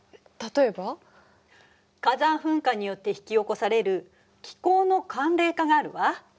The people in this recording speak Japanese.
例えば？火山噴火によって引き起こされる気候の寒冷化があるわ。